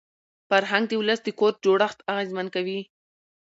فرهنګ د ولس د کور جوړښت اغېزمن کوي.